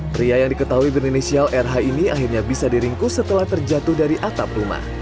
pria yang diketahui berinisial rh ini akhirnya bisa diringkus setelah terjatuh dari atap rumah